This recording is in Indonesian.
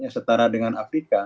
setara dengan afrika